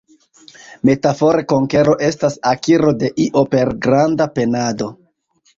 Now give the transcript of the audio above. Metafore konkero estas akiro de io per granda penado.